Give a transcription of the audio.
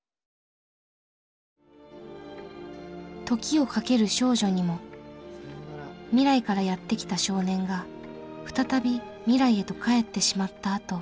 「時をかける少女」にも未来からやって来た少年が再び未来へと帰ってしまったあと。